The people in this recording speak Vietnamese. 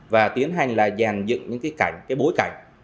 và tiến hành là dàn dựng những cái bối cảnh